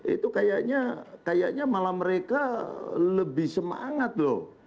itu kayaknya malah mereka lebih semangat loh